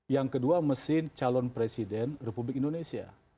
yang kedua mesin calon presiden republik indonesia